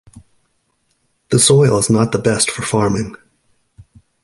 The soil is not the best for farming.